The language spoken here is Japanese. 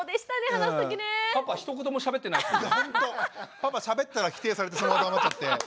パパしゃべったら否定されてそのままになっちゃって。